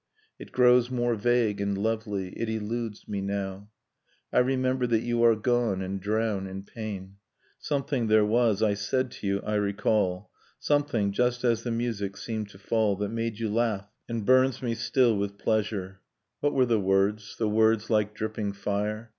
It grows more vague and lovely, it eludes me now. .. I remember that you are gone, and drown in pain ... Something there was I said to you, I recall, Something, just as the music seemed to fall, That made you laugh, and burns me still with pleasure ... What were the words — the words like dripping fire?...